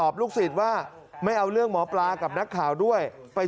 มีตัวอ้ายว้างจาปู